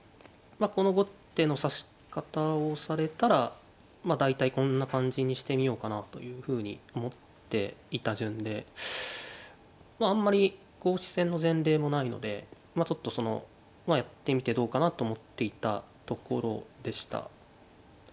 あこの後手の指し方をされたら大体こんな感じにしてみようかなというふうに思っていた順でまああんまり公式戦の前例もないのでまあちょっとそのやってみてどうかなと思っていたところでした。